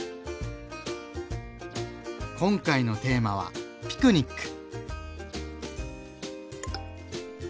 今回のテーマは「ピクニック」。